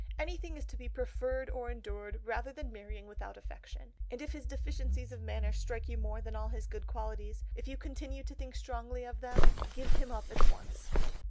Anything is to be preferred or endured rather than marrying without affection; and if his deficiencies of manner strike you more than all his good qualities, if you continue to think strongly of them, give him up at once....